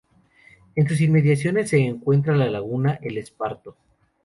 En sus inmediaciones se encuentra la laguna El Esparto.